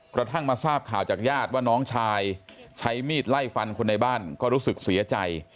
กระทั่งมาทราบข่าวจากญาติว่าน้องชายใช้มีดไล่ฟันคนในบ้านก็รู้สึกเสียใจ